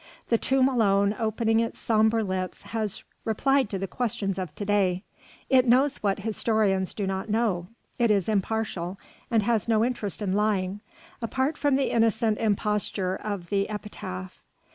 The tomb alone, opening its sombre lips, has replied to the questions of to day; it knows what historians do not know; it is impartial, and has no interest in lying, apart from the innocent imposture of the epitaph.